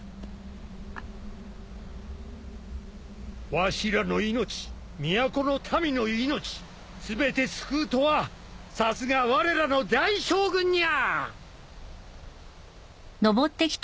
わしらの命都の民の命全て救うとはさすがわれらの大将軍にゃ。